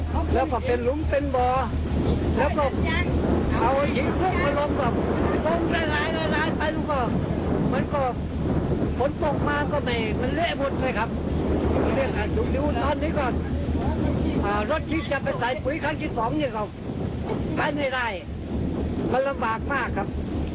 ร้องนี้ค่ะไปไม่ได้มันน่าบากมากครับ